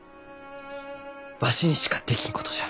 わしにしかできんことじゃ。